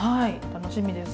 楽しみです。